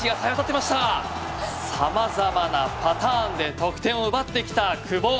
様々なパターンで得点を奪ってきた久保。